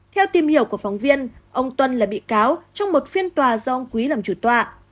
theo tìm hiểu của phóng viên ông tuân là bị cáo trong một phiên tòa do ông quý làm chủ tọa